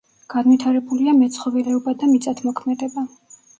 განვითარებულია მეცხოველეობა და მიწათმოქმედება.